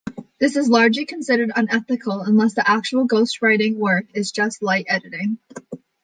This is largely considered unethical unless the actual ghostwriting work is just light editing.